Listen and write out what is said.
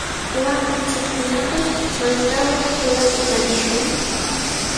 Waakanchikkunapaq, ¿maytrawraq qiwata tarishwan?